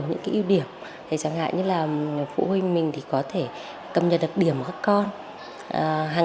những cái ưu điểm để chẳng hạn như là phụ huynh mình thì có thể cập nhật đặc điểm của các con hàng